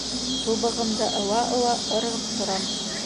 Тубығымды ыуа-ыуа ырғып торам.